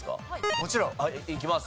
もちろん。いきます。